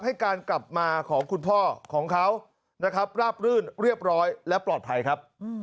ให้การกลับมาของคุณพ่อของเขานะครับราบรื่นเรียบร้อยและปลอดภัยครับ